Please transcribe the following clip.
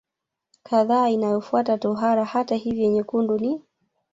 kadhaa inayofuata tohara Hata hivyo nyekundu ni